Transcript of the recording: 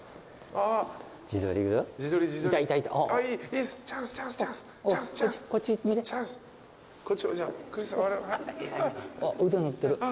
あっ腕乗ってる。